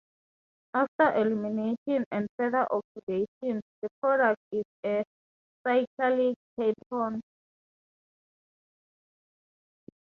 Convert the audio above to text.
After elimination and further oxidation, the product is a cyclic ketone.